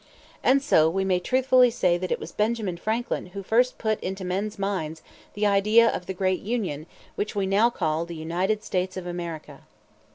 And so, we may truthfully say that it was Benjamin Franklin who first put into men's minds the idea of the great Union which we now call the United States of America.